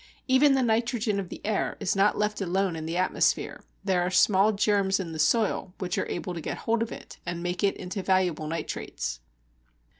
Even the nitrogen of the air is not left alone in the atmosphere. There are small germs in the soil which are able to get hold of it and make it into valuable nitrates.